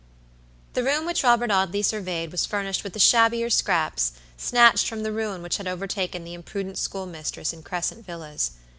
The room which Robert Audley surveyed was furnished with the shabbier scraps snatched from the ruin which had overtaken the imprudent schoolmistress in Crescent Villas.